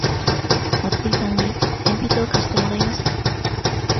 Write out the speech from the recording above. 松井さんに鉛筆を貸してもらいました。